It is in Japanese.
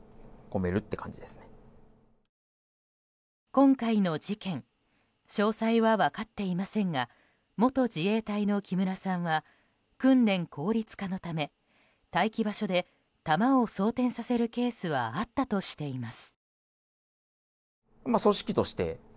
今回の事件詳細は分かっていませんが元自衛隊の木村さんは訓練効率化のため待機場所で弾を装填させるケースはあったとしています。